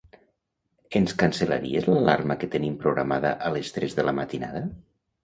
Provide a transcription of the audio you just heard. Ens cancel·laries l'alarma que tenim programada a les tres de la matinada?